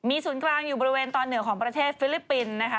ศูนย์กลางอยู่บริเวณตอนเหนือของประเทศฟิลิปปินส์นะคะ